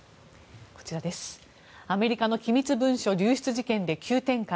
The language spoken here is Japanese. アメリカの機密文書流出事件で急展開。